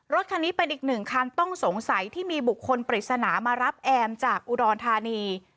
รถคันนี้เป็นอีกหนึ่งคันต้องสงสัยที่มีบุคคลปริศนามารับแอมจากอุดรธานี